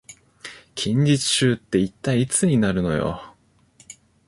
近日中って一体いつになるのよ